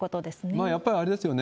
やっぱりあれですよね。